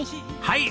はい！